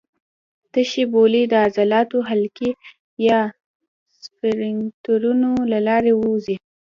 تشې بولې د عضلاتي حلقې یا سفینکترونو له لارې ووځي.